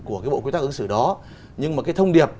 của cái bộ quy tắc ứng xử đó nhưng mà cái thông điệp